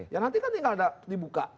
ya nanti kan tinggal dibuka